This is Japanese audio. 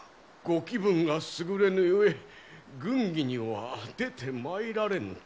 ご気分がすぐれぬゆえ軍議には出てまいられぬと。